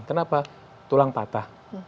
kenapa tulang patah